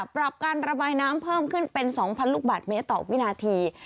ปรับการระบายน้ำเพิ่มขึ้นเป็น๒๐๐ลูกบาทเมตรต่อวินาที